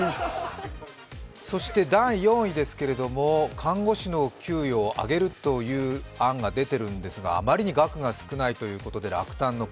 そして第４位、看護師の給与を上げるという案が出てるんですがあまりに額が少ないということで落胆の声。